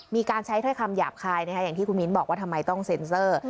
มีการใช้ถ้อยคำหยาบคายอย่างที่คุณมิ้นบอกว่าทำไมต้องเซ็นเซอร์